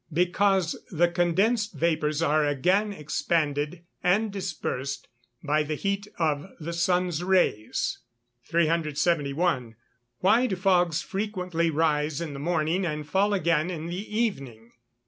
_ Because the condensed vapours are again expanded and dispersed by the heat of the sun's rays. 371. _Why do fogs frequently rise in the morning and fall again in the evening?